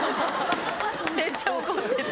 めっちゃ怒ってる。